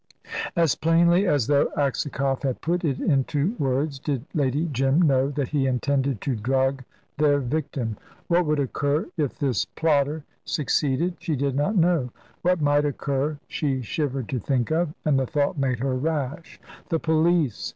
As plainly as though Aksakoff had put it into words did Lady Jim know that he intended to drug their victim. What would occur if this plotter succeeded she did not know; what might occur she shivered to think of, and the thought made her rash. "The police!"